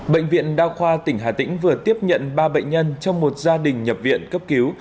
bệnh viện đa khoa tỉnh hà tĩnh vừa tiếp nhận ba bệnh nhân trong một gia đình nhập viện cấp cứu